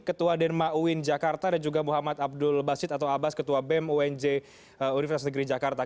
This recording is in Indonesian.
ketua denma uin jakarta dan juga muhammad abdul basid atau abbas ketua bem unj universitas negeri jakarta